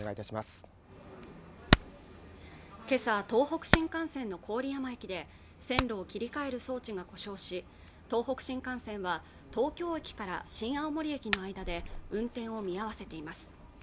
東北新幹線の郡山駅で線路を切り替える装置が故障し東北新幹線は東京駅から新青森駅の間で運転を見合わせています